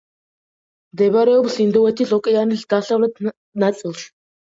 მდებარეობს ინდოეთის ოკეანის დასავლეთ ნაწილში.